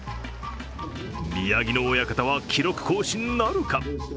宮城野親方は記録更新なるか？